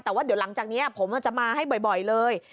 แต่ว่าเดี๋ยวหลังจากนี้ผมจะมาให้บ่อยเลย